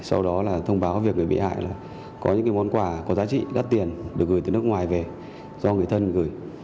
sau đó là thông báo việc người bị hại là có những món quà có giá trị đắt tiền được gửi từ nước ngoài về do người thân gửi